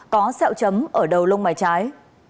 có xẹo chấm ở đầu lông mái trái